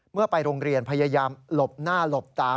ไปโรงเรียนพยายามหลบหน้าหลบตา